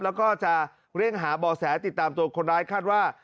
แล้วก็จะเร่งหาบ่อแสติดตามตัวคนร้ายคาดว่า